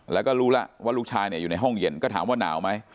แล้วก็รู้แล้วว่าลูกชายอยู่ในห้องเย็นก็ถามว่าหนาวไหม